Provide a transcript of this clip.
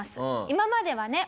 今まではね